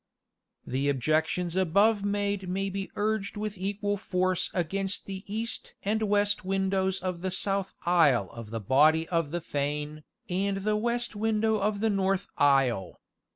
The objections above made may be urged with equal force against the east and west windows of the south aisle of the body of the fane, and the west window of the north aisle.